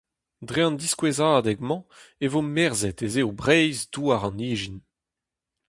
Dre an diskouezadeg-mañ e vo merzhet ez eo Breizh douar an ijin.